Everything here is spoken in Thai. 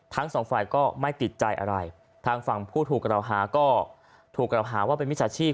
ทั้งสองฝ่ายก็ไม่ติดใจอะไรทางฝั่งผู้ถูกกล่าวหาก็ถูกกล่าวหาว่าเป็นมิจฉาชีพ